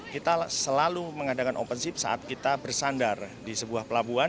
kita selalu mengadakan open ship saat kita bersandar di sebuah pelabuhan